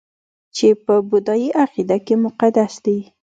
چې په بودايي عقیده کې مقدس دي